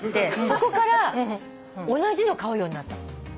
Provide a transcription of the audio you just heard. そこから同じの買うようになったの。